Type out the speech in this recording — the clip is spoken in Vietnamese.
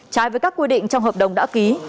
trái với các quy định trong hợp đồng đã ký